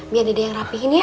biar ada yang rapihin ya